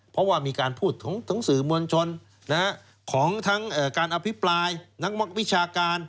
เพราะว่ามีการพูดถึงสื่อมวลชนของทั้งการอภิปรายทั้งวิชาการ